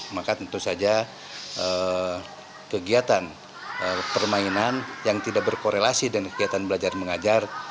maka tentu saja kegiatan permainan yang tidak berkorelasi dengan kegiatan belajar mengajar